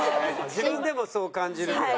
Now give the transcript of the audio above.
自分でもそう感じるんだね。